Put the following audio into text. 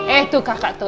eh tuh kakak tuh